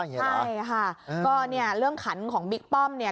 ใช่ค่ะก็เนี่ยเรื่องขันของบิ๊กป้อมเนี่ย